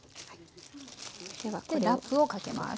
ラップをかけます。